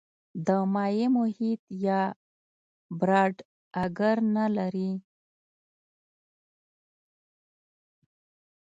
د مایع محیط یا براټ اګر نه لري.